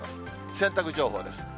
洗濯情報です。